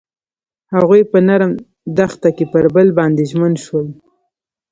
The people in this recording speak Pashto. هغوی په نرم دښته کې پر بل باندې ژمن شول.